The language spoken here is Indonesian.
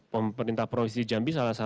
pemerintah provinsi jambi salah satu